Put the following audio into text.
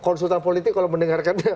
konsultan politik kalau mendengarkan